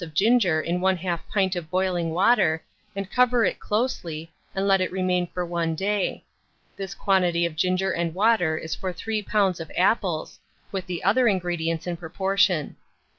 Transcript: of ginger in 1/2 pint of boiling water, and cover it closely, and let it remain for 1 day: this quantity of ginger and water is for 3 lbs. of apples, with the other ingredients in proportion.